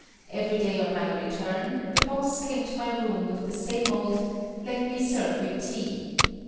Every day on my return, the boss came to my room with the same old "Let me serve you tea."